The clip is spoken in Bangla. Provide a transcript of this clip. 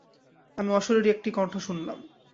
আমি অশরীরী একটি কণ্ঠ শুনলাম!